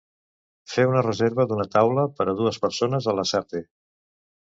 Fer una reserva d'una taula per a dues persones al Lasarte.